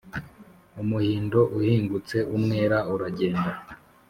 Umuhindo uhingutse umwera uragenda